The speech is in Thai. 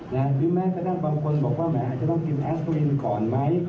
หรือแม้กระทั่งบางคนบอกว่าแหมอาจจะต้องกินแอสเวนก่อนไหม